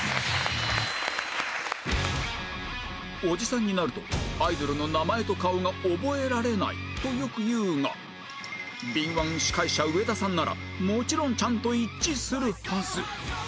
おじさんになるとアイドルの名前と顔が覚えられないとよく言うが敏腕司会者上田さんならもちろんちゃんと一致するはず